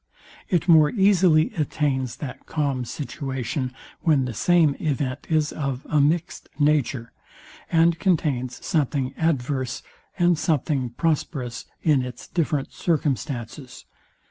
It more easily attains that calm situation, when the same event is of a mixt nature, and contains something adverse and something prosperous in its different circumstances.